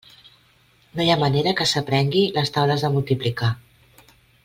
No hi ha manera que s'aprengui les taules de multiplicar.